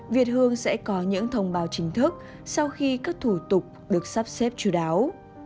việt hương sẽ có những thông báo chính thức sau khi các thủ tục được sắp xếp chú đáo